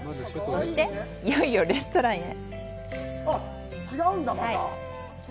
そして、いよいよレストランへ。